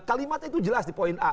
kalimatnya itu jelas di poin a